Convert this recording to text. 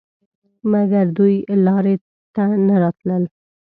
مګر دوی لارې ته نه راتلل.